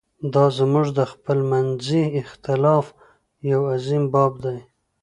دا زموږ د خپلمنځي اختلاف یو عظیم باب دی.